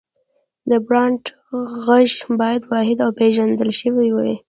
د برانډ غږ باید واحد او پېژندل شوی وي.